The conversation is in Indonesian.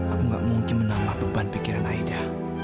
aku gak mungkin menambah beban pikiran aida